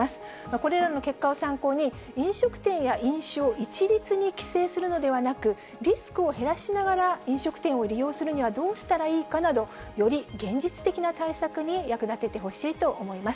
これらの結果を参考に、飲食店や飲酒を一律に規制するのではなく、リスクを減らしながら飲食店を利用するにはどうしたらいいかなど、より現実的な対策に役立ててほしいと思います。